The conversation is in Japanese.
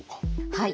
はい。